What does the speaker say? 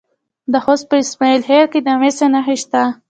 د خوست په اسماعیل خیل کې د مسو نښې شته.